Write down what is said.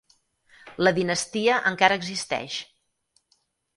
La dinastia encara existeix.